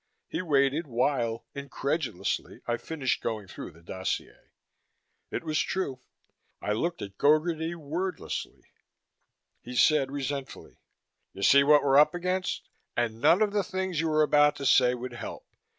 He waited while, incredulously, I finished going through the dossier. It was true. I looked at Gogarty wordlessly. He said resentfully, "You see what we're up against? And none of the things you are about to say would help.